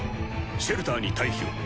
シェルターに退避を。